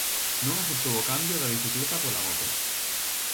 Non aceptou o cambio da bicicleta pola moto.